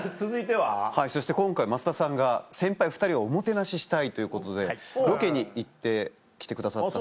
はいそして今回増田さんが先輩２人をおもてなししたいということでロケに行って来てくださったそうです。